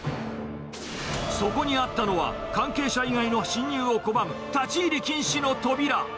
そこにあったのは、関係者以外の進入を拒む、立ち入り禁止の扉。